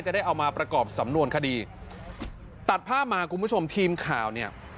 ได้เอามาประกอบสำนวนคดีตัดภาพมาคุณผู้ชมทีมข่าวเนี่ย